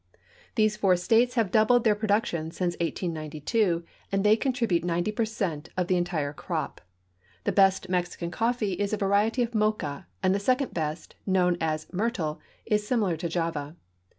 These four states have doubled their production since 1892, and they contribute 90 per cent of the entire crop. The best Mexican coffee is a variety of mocha, and the second best, known as myrtle, is similar to Java.